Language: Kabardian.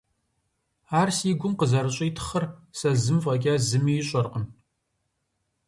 Ар си гум къызэрыщӀитхъыр сэ зым фӀэкӀа зыми ищӀэркъым…